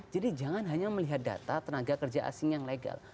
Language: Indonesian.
jadi jangan hanya melihat data tenaga kerja asing yang legal